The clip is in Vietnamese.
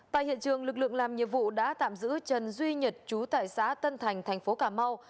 tại hiện trường lực lượng làm nhiệm vụ đã tạm giữ trần duy nhật chú tại xã tân thành thành phố cà mau